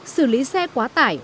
xử lý xe quá tải